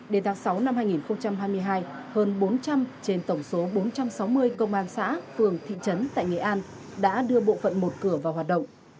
đến tháng sáu năm hai nghìn hai mươi hai hơn bốn trăm linh trên tổng số bốn trăm sáu mươi công an xã phường thị trấn tại nghệ an đã đưa bộ phận một cửa vào hoạt động